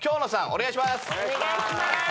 ・お願いします